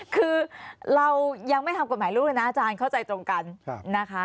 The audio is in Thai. คือเรายังไม่ทำกฎหมายลูกเลยนะอาจารย์เข้าใจตรงกันนะคะ